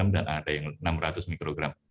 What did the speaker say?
dan ada yang enam ratus mikro